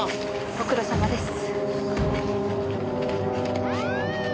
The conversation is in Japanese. ご苦労さまです。